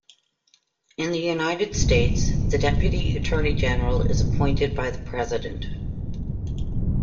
In the United States, the Deputy Attorney General is appointed by the President.